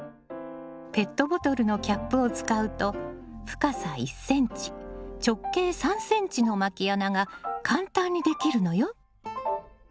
ペットボトルのキャップを使うと深さ１ｃｍ直径３ｃｍのまき穴が簡単にできるのよ。